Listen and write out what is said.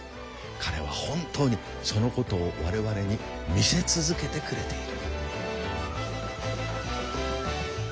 彼は本当にそのことを我々に見せ続けてくれている。